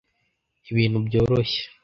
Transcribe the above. Ibintu byoroshye.